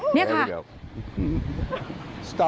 นี่ค่ะ